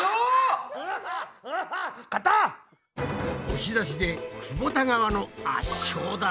押し出しでくぼた川の圧勝だ！